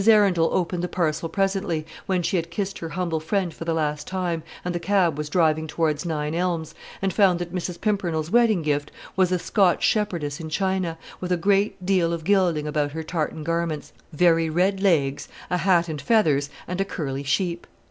Arundel opened the parcel presently, when she had kissed her humble friend for the last time, and the cab was driving towards Nine Elms, and found that Mrs. Pimpernel's wedding gift was a Scotch shepherdess in china, with a great deal of gilding about her tartan garments, very red legs, a hat and feathers, and a curly sheep.